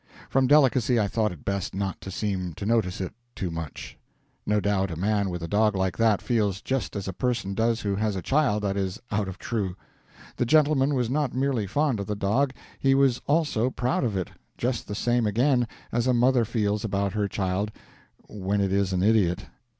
From delicacy I thought it best not to seem to notice it too much. No doubt a man with a dog like that feels just as a person does who has a child that is out of true. The gentleman was not merely fond of the dog, he was also proud of it just the same again, as a mother feels about her child when it is an idiot.